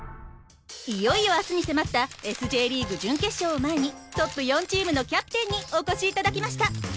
いよいよ明日に迫ったＳ／Ｊリーグ準決勝を前にトップ４チームのキャプテンにお越し頂きました。